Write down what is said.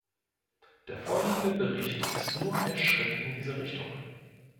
Der vorliegende Bericht ist nur ein Schritt in diese Richtung.